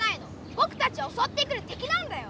ボクたちをおそってくるてきなんだよ！